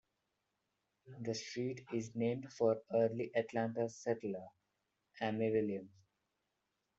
The street is named for early Atlanta settler Ammi Williams.